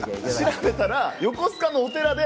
調べたら横須賀のお寺で。